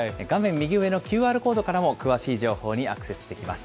右上のＱＲコードからも詳しい情報にアクセスできます。